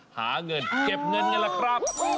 หาเงินเก็บเงินกันล่ะครับ